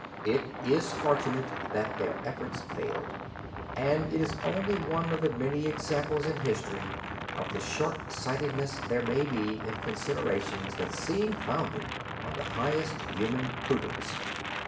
It is fortunate that their efforts failed, and it is only one of the many examples in history of the short sightedness there may be in considerations that seem founded on the highest human prudence.